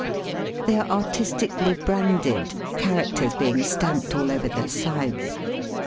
They are artistically branded, characters being stamped all over their sides.